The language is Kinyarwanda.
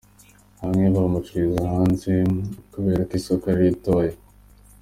Bamwe bacururiza hanze kubera ko isoko ari ritoya.